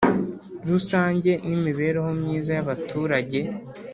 Rusange n Imibereho Myiza y Abaturage